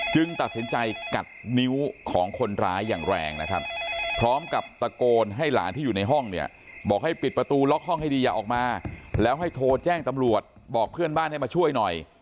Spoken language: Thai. ตัดสินใจกัดนิ้วของคนร้ายอย่างแรงนะครับพร้อมกับตะโกนให้หลานที่อยู่ในห้องเนี่ยบอกให้ปิดประตูล็อกห้องให้ดีอย่าออกมาแล้วให้โทรแจ้งตำรวจบอกเพื่อนบ้านให้มาช่วยหน่อย